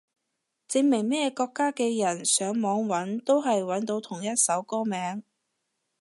證明咩國家嘅人上網搵都係搵到同一首歌名